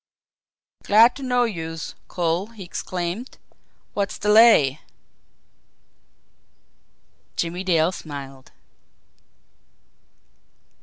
"Glad to know youse, cull!" he exclaimed. "Wot's de lay?" Jimmie Dale smiled.